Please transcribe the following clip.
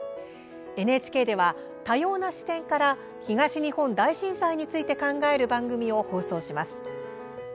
ＮＨＫでは、多様な視点から東日本大震災について考える番組を放送します。